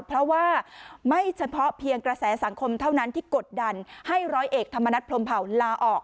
เพราะว่าไม่เฉพาะเพียงกระแสสังคมเท่านั้นที่กดดันให้ร้อยเอกธรรมนัฐพรมเผาลาออก